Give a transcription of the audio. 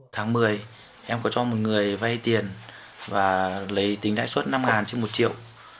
tháng một mươi em có cho một người vay tiền và lấy tính lãi suất năm trên một triệu